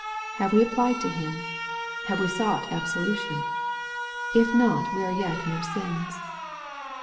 Have we applied to Him ? Have we sought absolution ? If not, we are yet in our sins.